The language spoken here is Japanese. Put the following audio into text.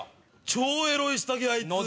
超エロい下着あいつ。